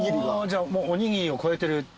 じゃあおにぎりを超えてる。